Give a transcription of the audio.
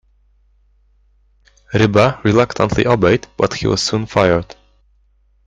Ryba reluctantly obeyed, but he was soon fired.